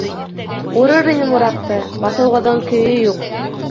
Урыр инем ураҡты, баҫыуығыҙҙың көйө юҡ.